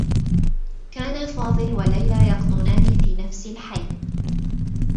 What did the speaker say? كان فاضل و ليلى يقطنان في نفس الحي.